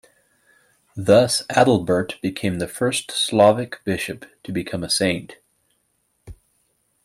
Thus, Adalbert became the first Slavic bishop to become a saint.